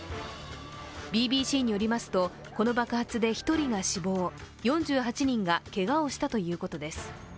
ＢＢＣによりますとこの爆発で１人が死亡４８人がけがをしたということです。